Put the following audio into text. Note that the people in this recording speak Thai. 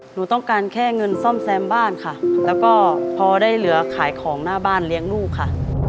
หนูต้องการแค่เงินซ่อมแซมบ้านค่ะแล้วก็พอได้เหลือขายของหน้าบ้านเลี้ยงลูกค่ะ